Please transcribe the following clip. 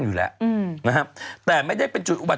บริเวณนี้เป็นจุดทางร่วมที่ลดลงจากสะพาน